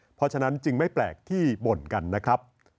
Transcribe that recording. เพราะฉะนั้นจึงไม่แปลกที่บ่นกันนะครับ